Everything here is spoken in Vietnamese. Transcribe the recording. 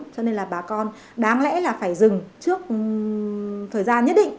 cho nên là bà con đáng lẽ là phải dừng trước thời gian nhất định